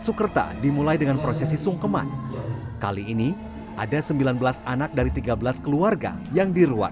sukerta dimulai dengan prosesi sungkeman kali ini ada sembilan belas anak dari tiga belas keluarga yang di ruang